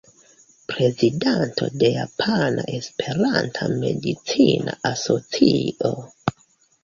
Prezidanto de Japana Esperanta Medicina Asocio.